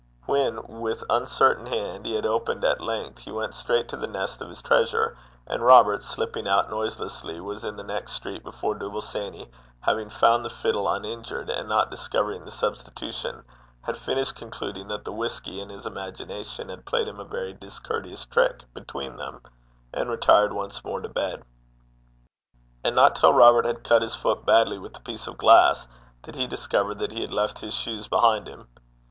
When, with uncertain hand, he had opened at length, he went straight to the nest of his treasure, and Robert slipping out noiselessly, was in the next street before Dooble Sanny, having found the fiddle uninjured, and not discovering the substitution, had finished concluding that the whisky and his imagination had played him a very discourteous trick between them, and retired once more to bed. And not till Robert had cut his foot badly with a piece of glass, did he discover that he had left his shoes behind him.